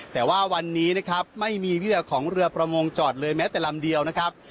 แต่ว่าวันนี้นะครับไม่มีเรือของเรือประมงจอดเลยแม้แต่ลำเดียวนะครับ